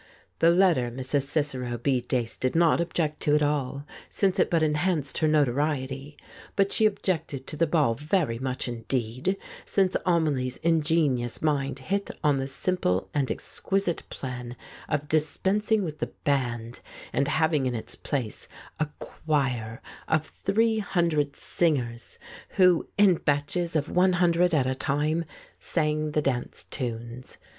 The letter Mrs. Cicero B. Dace 130 The False' Step did not object to at all, since it but enhanced her notoriety, but she objected to the ball very much in deed, since Amelie's ingenious mind hit on the simple and exquisite plan of dispensing with the band, and having in its place a choir of three hundred singers, who, in batches of one hundred at a time, sang the dance tunes.